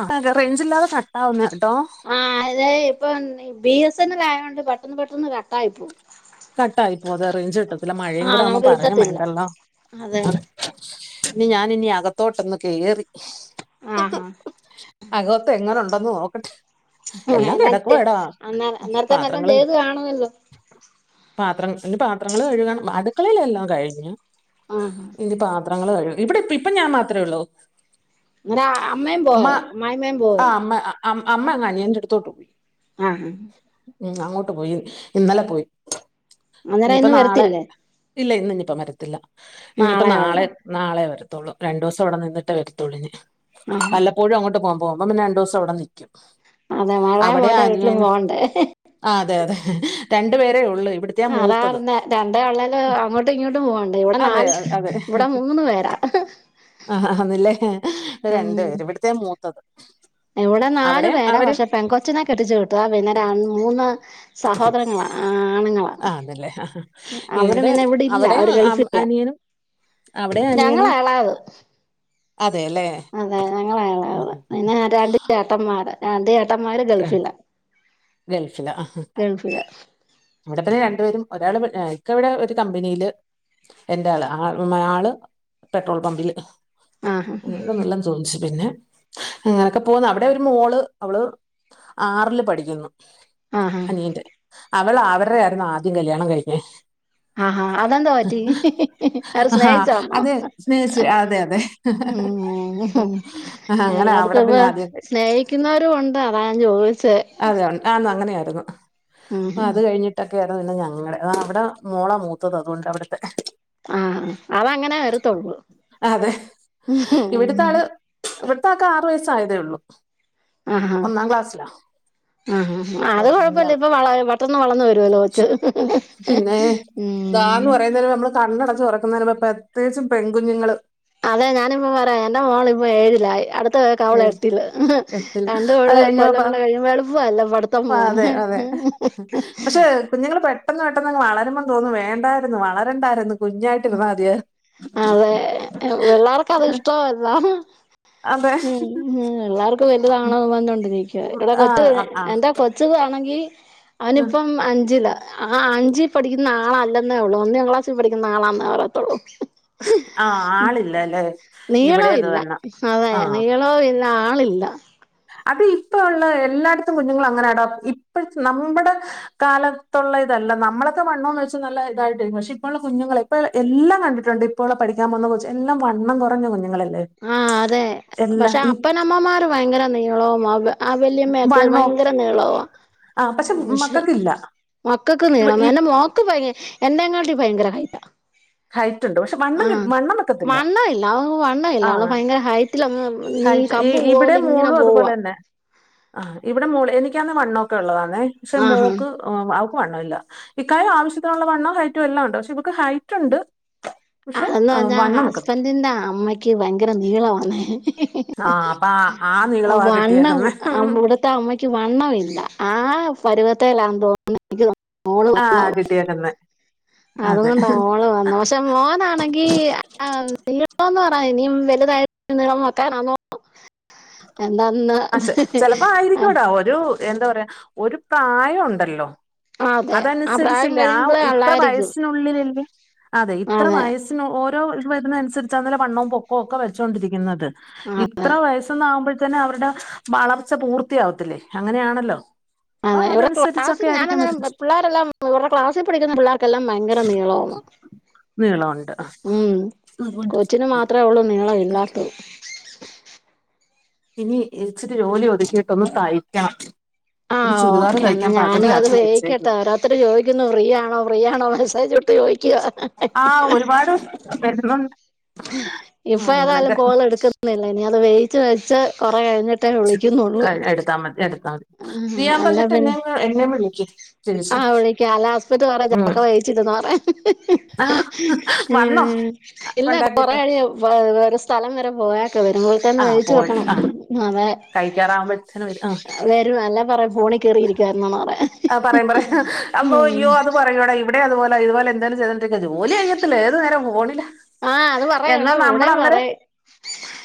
ആഫ് range ഇല്ലാതെ കട്ടാവുന്ന കേട്ടോ ആഹ അത ഇപ്പൊ ബി എസ് എൻൽായതോണ്ട് പെട്ടന്ന് പെട്ടന്ന് കട്ടായിപ്പോ കട്ടായിപ്പോ അതെ റേഞ്ച് കിട്ടത്തില്ല മഴയും ആഹ് കൂടെ ഒമ്മ നമുക്ക് പറയാൻ കിട്ടത്തില്ല വേണ്ടല്ലോ അതെ ഇനി ഞാന ഇിന അകത്തോട്ടൊന്ന് കേയറി ആഹാ അഗോത്ത് എങ്ങനെ ഉണ്ടന്ന് നോക്കട്ടെ എല്ലാം കിടക്കും ഇടാ പാത്രങ്ങള് കാണുന്നല്ലോ പാത്രം പി പാത്രങ്ങൾ കഴുകണം അടുക്കളയിലെല്ലാം കഴിഞ്ഞഞ് ആഹ് ഇന്റെ പാത്രങ്ങൾ കഴിയൂ ഇവിടെ ഇപ്പം ഞാൻ മാത്രമേ ഉള്ളൂ അടെ അമ്മയും പോയ അ മായ്മയും പോയ അ അമ്മ അങ്ങാനി എന്റെറടുത്തോട്ട് പോയി ആം ഹ ഉം അങ്ങോട്ട് പോയി ഇന്നലെ പോയി അന്നേരം ഇനിയിപ്പ ഇന്ന് നാളെ വരത്തില്ലേ ഇല്ല ഇന്ന് ഇനിയിപ്പ വരത്തില്ല ഇനിയിപ്പ നാളെ നാളെ വരത്തോുള്ളൂ രണ്ടു ദിവസം അവിടെ നിന്നിട്ടേ വരത്തോളിഞ് ആഹാ ഒഴ അങ്ങോട്ട പോക പോുമ്പൾന്ന രണ്ട്ിവസംവിടെ നിക്കും അതെ മഴൻ പോണ്ട വീട്ടിലും പോകണ്ടേ ആ അതെ അതെ രണ്ടുപേരേ ഉള്ളൂ ഇവിടെ അതാന്ന രണ്ട കള്ളല് അങ്ങോട്ടും ഇങ്ങോട്ടും പോവണ്ട് ഇവിടെ അതെ നാല് അതെ ഇവിടെ മൂന്ന് പേരാ ആ അന്നില്ലേ രണ്ടു പേര് ഇവിടത്തെേ മൂത്തത് ഇവ്ടെ നാലു അവിടെയും പേരാ അവര് പക്ഷെ പെങ്കൊച്ചിനെ കെട്ടിച്ചു വിട്ടതാ പിന്നെ രൺ മൂന്ന് സഹോദരങ്ങളാ ആണ്ങ്ങളാ ആണ്ല്ലേ ഇവിടെ ഇല്ല അവിടെ അവര് ആം ഗൾഫില്ല അനിയനും അവിടെ അനിയനും ഞങ്ങളാ എളായത് അതെല്ലേ അതെ [unintelligible] പിന്നെ രണ്ട് ചേട്ടമ്മാര് രണ്ട് ചേട്ടമ്മാര് ഗൾഫിലാ ഗൾഫില ഹ ഹാ ഇല്ല ഇവടെത്തന്നെ രണ്ടുപേരും ഒരാള് ഇവടെ ഇക്ക ഇവടെ ഒരു കമ്പനീല് എന്റാ ആഹ് ഉം ആള്ല് പെട്രോൾ പമ്പില് ആഹാ [unintelligible] [unintelligible] പിന്നെ അങ്ങനൊക്കെ പോവുന്ന് അവടെ ഒരു മോള് അവള്- ആറില് പഠിക്കുന്നു ആഹ് ആഹ് അവള് അവരെയാരുന്നു ആദ്യം കല്യാണം കഴിഞ്ഞെ. ആഹാ അതെന്തോ ഒറ്റക്ക് അവര് ആ സ്നേഹിച്ചതാർന്നോ അതെ സ്നേഹിച്ച് അതെ അതെ ഉം ആ, അങ്ങനെ എല്ലാട്ത്തും അവിടെ ഇപ്പൊ പിന്നെ ആദ്യം കഴി- സ്നേഹി ക്കുന്നവരും ഉണ്ട് അതാ ഞാ ചോയ് അതെ [unintelligible] ആന്ന് അങ്ങനെയായിരുന്നു. ഉം അത് കഴിഞ്ഞി ട്ടൊക്കെയാരുന്നു പിന്നെ ഞങ്ങടെ. ആഹ് അവിടെ മോളാ മൂത്തത് അതുകൊണ്ട് അവിടുത്തെ ആഹ്, അതങ്ങനെ വരത്തൊള്ളൂ. ഇവ്ടെത്താൾക്ക് ആറു വയസ്സായതേ ഉള്ളൂ. ആഹാ ഒന്നാം ക്ലാസ്സിലാ ആഹ് ആഹ് അത് ഒ- ഒന്നിലാ കൊഴപ്പല്ല ഇപ്പൊ പഠിക്കുന്നത്. വള പെട്ടെന്ന് വളന്നു വരു [unintelligible] ചെ പിന്നെ [unintelligible] ഉം ഇതാന്ന് പറയുന്നതിന് നമ്മൾ കണ്ണടച്ച് തൊറക്കുന്നേരം നമ്മളെ പ്രത്യേകിച്ചും പെൺ കുഞ്ഞുങ്ങള് അതെ ഞാനിപ്പ പറയാ എന്റെ മോളിപ്പൊ ഏഴിലായി അടു ത്ത [unintelligible] വള് ഏ- എട്ടില്. എട്ടിൽ രണ്ട് അത് കൊള്ള കഴിഞ്ഞ കൊല്ലങ്ങള് കഴിയുമ്പൊ [unintelligible] പഠിത്തം അതെ പോകുന്ന് അതെ [unintelligible] പക്ഷെ കുഞ്ഞുങ്ങള് പെട്ടെന്ന് പെട്ടെന്നങ്ങ് വളരുമ്പം തോന്നും വേണ്ടായിരുന്നു വളരണ്ടായിരുന്നു. കുഞ്ഞായിട്ടിരുന്നാ മതിയായിരുന്നു അതെ പിള്ളാർക്കത് ഇഷ്ടോ അല്ല അതെ ഉം ഉം പിള്ളാർക്ക്‌ വലുതാവണം പറഞ്ഞോണ്ടിരിക്ക ഇവിടെ ആ [unintelligible] ആ ആ എന്താ- [unintelligible] താണെങ്കി അവനിപ്പം അഞ്ചിലാ ആഹ് അഞ്ചി പഠിക്കുന്ന ആളല്ലെന്നേ ഒള്ളൂ. ഒന്നാം ക്ലാസ്സിൽ പഠിക്കുന്ന ആളാന്നേ പറയത്തുള്ളൂ. ആ, ആളില്ല അല്ലേ ഇവിടെ നീളം അത് ഇല്ല തന്നെ ആ [unintelligible] [unintelligible] ളോ ഇന്ന് ആളില്ല അത് ഇപ്പ ഉള്ള എല്ലാടത്തും കുഞ്ഞുങ്ങളും അങ്ങനാടോ ഇപ്പഴ് നമ്മടെ- കാലത്തുള്ള ഇതല്ല നമ്മളൊക്കെ വണ്ണോം വെച്ച് നല്ല ഇതായിട്ടേന്നു. പക്ഷെ ഇപ്പഴുള്ള കുഞ്ഞുങ്ങളെ ഇപ്പൊ എല്ലാം കണ്ടിട്ടുണ്ട് ഇപ്പൊ ഒള്ള പഠിക്കാൻ പോകുന്ന കൊച്ച് എല്ലാം വണ്ണം കുറഞ്ഞ കുഞ്ഞുങ്ങളല്ലേ. ആഹ് അതെ എല്ലാം പക്ഷെ ഈ അപ്പനമ്മമാര് ഭയങ്കര നീളവും [unintelligible] ആഹ് വല്യമ്മയൊക്കെ വണ്ണോ ഭയങ്കര നീളവാ ആ പക്ഷെ [unintelligible] മക്കൾക്കില്ല മക്കക്ക് ഇവ നീളം ഈ എന്റെ മോക്ക് ഭയ എന്റേങ്ങാട്ടി ഭയങ്കര ഹൈറ്റ. ഹൈറ്റ് ഉണ്ട് പക്ഷെ വണ്ണം കി- ആഹ് വണ്ണം വെക്കത്തില്ല വണ്ണല്ല അവ ഇല്ലാ ആ അവള് ഭയങ്കര ഹൈറ്റിലങ്ങ് നീ കമ്പ് പോലിങ്ങനെ പോവ ണെ ആഹ് ഇവിടെ മോള് എനിക്കാന്നെ വണ്ണൊക്കൊള്ളതാന്നെ പക്ഷെ ആഹാ മോക്ക്- ഓഹ് അവക്ക് വണ്ണല്ല. ഇക്കായും ആവശ്യത്തിനുള്ള വണ്ണവും ഹൈറ്റും എല്ലാം ഉണ്ട് പക്ഷെ ഇവക്ക് ഹൈറ്റ്ണ്ട്- [unintelligible] എന്നു പറഞ്ഞാ ഹ ഹസ്ബന്റിന്റെ അമ്മയ്ക്ക് ഭയങ്കര നീളവാണേ ആഹ് അപ്പൊ അ ആ നീളവാ കിട്ടിയേക്കുന്നെ ത്തെ അമ്മയ്ക്ക് വണ്ണമില്ല ആ പരുവത്തേലാൻ തോ ആഹ് [unintelligible] കിട്ടിയേക്കുന്നെ അത് അതെ കൊണ്ടാ മോള് വന്നു പക്ഷെ - മോനാണെങ്കി [unintelligible] ഇനിയും വലുതായിട്ട് നീളം വെക്കാനൊന്നും - എന്നാ അന്ന് അ ചെലപ്പോ [unintelligible] ആഹ് ആയിരിക്കൂടാ ഒരു എന്താ പറയാ ഒരു പ്രായം ഉണ്ടല്ലോ ആ അതെ ആ പ്രായം അതനുസരിച്ചല്ലേ ആ കഴിയുമ്പോഴേ ഇത്ര ഉള്ളായിരിക്കും വയസ്സിനുള്ളിലല്ലേ അതെ ഇത്ര വയസ്- ത്തിന് ഓരോ വരുന്നനുസരിച്ച ന്നലെ വണ്ണവും പൊക്കാം ഒക്കെ വെച്ചൊണ്ടിരിക്കുന്നത്. ആ ഇത്ര വയസ് ആകുമ്പഴ്ത്തന്നെ അവരുടെ വളർച്ച പൂർത്തിയാവത്തില്ലേ, അങ്ങനെയാണല്ലോ. അപ്പൊ അതെ ഇവര്ടെ അതനുസരിച്ചൊക്കെ ക്ലാസ്സിൽ ആയിരിക്കും ഞാനന്നരം വരുന്നത് പിള്ളേരെല്ലാം ഇവരുടെ ക്ലാസ്സിൽ പഠിക്കുന്ന പിള്ളേർക്കെല്ലാം ഭയങ്കര നീള വാന്ന് നീളവ്ണ്ട് [unintelligible] അത്രയ ഉള്ളൂ നീളം ഇല്ലാത്തത്. [inaudible] ഇനി ഇച്ചിരി ജോലി ഒതുക്കിയിട്ട് ഒന്ന് തയ്ക്കണം. ഒരു ആഹ് ചുരിദാർ ഓക്കേ എന്നാ തയ്ക്കാൻ ഞാനും അത് പകുതിയാക്കി വേയിക്കട്ടെ വെച്ചേക്കുന്നു ഓരോര്ത്തര് ചോദിക്കുന്നു ഫ്രീ ആണോ ഫ്രീ ആണോ മെസ്സേജ് ഇട്ട് ചോദി ആഹ ഒരുപാട് വരുന്നുണ്ട്. ആ ഇപ്പോ ഏതായാലും അങ്ങനൊക്കെ കോള്- എടുക്കുന്നില്ല, ഇനി അത് വേയിച്ച് വെച്ച് കൊറെ കഴിഞ്ഞിട്ട്- എടുത്താൽ മതി, എടുത്താ മതി ആഹ് ചെയ്യാൻ അല്ല പറന്നിട്ട് എന്നെ, പിന്നെ എന്നെ വിളക്ക്- ആഹ് വിളിക്കാ അല ഹാസ്പിറ്റ, പറ ജൊക്കെ വഴിച്ചിട്ടന്ന പറ- ആ വന്നോ ഉം ഇല്ല ഉണ്ടാക്കിട്ട് കൊറയാവ- വേ ഒരു സ്ഥലം വരെ പോയാക്കെ- വരുമ്പോതന്നെ ആ തായ്ച്ചു പോയിട്ട് വെക്കണം. ആ അതെ. കഴിക്കാറാവുമ്പോഴത്തേന് വരും ആ വരും അല്ലാ പറയാ ഫോണി കേറിയിരിക്കാുന്നോണറ. ആഹാ പറം, പറയാം അപ്പോ- അയ്യോ അത് പറയൂടാ ഇവിടെ- അതുപോലെ, ഇതുപോലെ- എന്തായാലും ചെയ് ക്ക ജോലി അയ്യത്തില്ല ഏത് നേരം പോണില്ല ആഹ് അത് പറയും ഇവിടെ എന്നാ നമ്മള ഇവിടെയും അന്നേരം- പറയും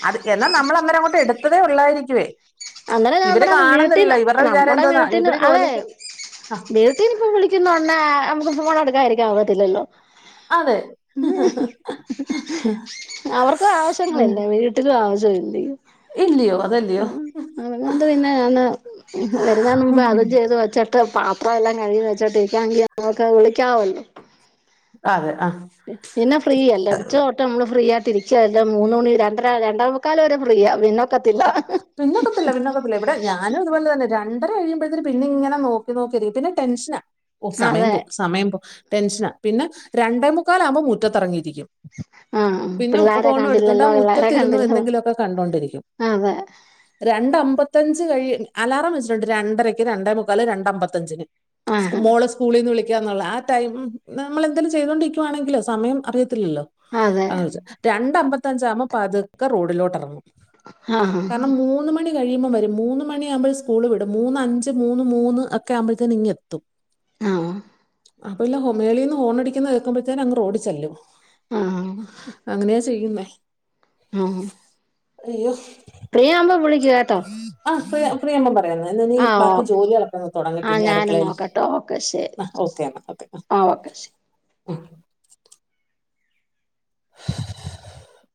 അത് എന്നാൽ നമ്മൾ അന്നേരം അങ്ങോട്ട് എടുത്തതേ ഉള്ളായിരിക്കുവേ. അന്നനെ ഇവര് ഞമ്മടെ കാണുന്നില്ല വീട്ടിന് ഇവരുടെ വിചാരം നമ്മുടെ എന്തോന്നാ വീട്ടിന് ഇവര് അതെ ജോലിക്ക് വി - ഇനിയിപ്പൊ വിളിക്കുന്നോണ നുക്ക് ഫോണെടുക്ക ഒക്കത്തില്ലല്ലോ. അതെ ഉ അവർക്ക ആവശ്യങ്ങളല്ലേ വീ- എ ആശംണ്ട് [unintelligible] ഇല്ലയോ അതല്യോ. ണ്ട് പിന്നെ, പെരുന്നാളിന് അവതി- ത് വച്ചിട്ട് പാത്രം എല്ലാം കഴിഞ്ഞു വെച്ചിട്ടോക്കെ നമക്ക്- വിളിക്കാവല്ലോ. അതെ ആഹാ. പിന്നെ ഫ്രീയല്ല ഉച്ച- നമ്മള് ഫ്രീ ആയിട്ട ഇരിക്കുകല്ല മൂന്ന മണി, രണ്ട രണ്ടാമുക്കാലൽ വരെ ഫ്രീ ആ പിന്നെ- ആ പിന്നക്കത്തില്ല പിന്നോക്ക- ഇവിടെ ഞാനുംതുപലെ തന്നെ രണ്ടര കഴിയുമ്പോഴത്തേന്ന്- ഇങ്ങനെ നോക്കി നോക്കിയരിക്ക പിന്നെ ടെഷനാ. ഓ സമയം അതെ പോവും, സമയം പോവും. ടെൻഷനാ പിന്നെ രണ്ടേ മുക്കാകുമ്പോ മുറ്റത്തിറങ്ങിയിരിക്കും. ആഹ് പിന്നെ പിള്ളാരെ ഫോണ് എടുത്തണ്ട് കണ്ടില്ലല്ലോ ആഹാ, പിള്ളാരെ മുറ്റത്തിരുന്ന് കണ്ടില്ലോ എന്തെങ്കിലുമൊക്കെ കണ്ടോണ്ടിരിക്കും. അതെ രണ്ട അമ്പത്തഞ്ച് കഴി, അലാറം വെച്ചിട്ടുണ്ട് രണ്ടരക്ക്, രണ്ടരമുക്കാല്, രണ്ട- അമ്പത്തഞ്ചിന്. ആഹ് മോള സ്- സ്കൂളിൽ നിന്ന് വിളിക്കന്നുള്ള- ആഹാ ടൈം നമ്മൾ എന്തെലും- ചെയ്തോണ്ടിരിക്കുവാണെങ്കിലോ? സമയം അറിയത്തില്ലല്ലോ? അതെ. രണ്ടാം ബത്തഞ്ചവുബോ പതുക്ക- റോടിലോട്ട റങ്ങും ആഹ് കാരണം മൂ- മണി കഴിയുമ്പോ വരും, മൂന്ന്- മണിമ്പൾ സ്കൂള് വിടും, മൂന്ന്- അഞ്ച് മൂന്ന്, മൂന്ന് ഒക്കെ- ആകുമ്പഴത്തേ ഇങ്ങത്തും. ആഹാ. അപ്പ ഇല്ല ഹമേൽന്ന്ണടിക്കുന്നത് കേൾക്കുമ്പഴത്തേ അങ്ഓഡിച്ചല്ലും. ആഹാ. അങ്ങനെയാ ചെയ്യുന്നേ. ഉം, ഉം. അയ്യോ. ഫ്രീവിമ്പോ വിളിക്ക കേട്ടോ. ആഹ് ഫ്രീ, ഫ്രീയാവുമ്പോ പറ. ഇനി ഇീ ആഹ് ഓ ബാക്കി ജോലികളക്കന്ന്- തുടങ്ങട്ട് ആഹ് ഇനി ഞാനും അടുക്കളയിൽ നോക്കട്ടെ ആഹാ, ഓക്കെ എന്ന ഒക്കെ. ഒക്കെ ശരി. [inaudible]